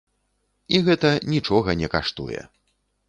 І гэта нічога не каштуе.